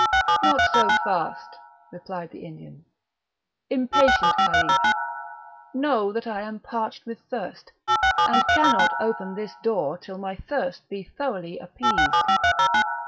"Not so fast," replied the Indian, "impatient Caliph! Know that I am parched with thirst, and cannot open this door till my thirst be thoroughly appeased.